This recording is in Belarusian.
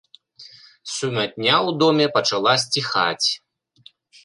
Сумятня ў доме пачала сціхаць.